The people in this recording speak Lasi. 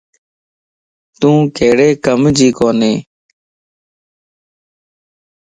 تون ڪھڙي ڪم جي ڪوني.